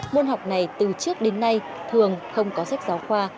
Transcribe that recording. môn học này từ trước đến nay thường không có sách giáo khoa